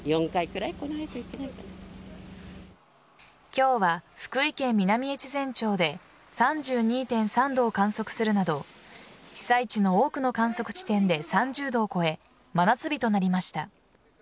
今日は福井県南越前町で３２．３度を観測するなど被災地の多くの観測地点で３０度を超え真夏日となりました。